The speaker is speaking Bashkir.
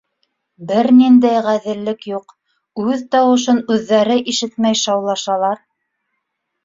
— Бер ниндәй ғәҙеллек юҡ, үҙ тауышын үҙҙәре ишетмәй шаулашалар.